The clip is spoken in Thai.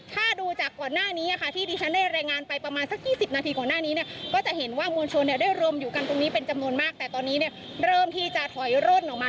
ตรงจุดที่เราตั้งกล้องเจาะภาพอยู่แหน้า